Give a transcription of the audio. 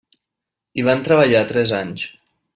Hi van treballar tres anys.